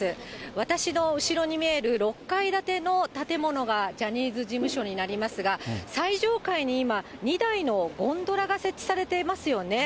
私の後ろに見える６階建ての建物が、ジャニーズ事務所になりますが、最上階に今、２台のゴンドラが設置されていますよね。